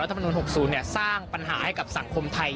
ลักษณะรวม๖๐เนี่ยสร้างปัญหาให้กับสังคมไทย